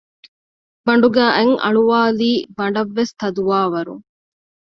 ބަނޑުގައި އަތް އަޅުވާލީ ބަނޑަށްވެސް ތަދުވާ ވަރުން